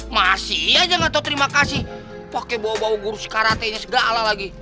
masih aja nggak tau terima kasih pakai bawa bawa guru si karate nya segala lagi